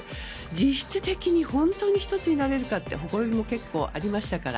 実質的に本当に１つになれるのかほころびもありましたから。